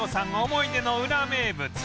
思い出のウラ名物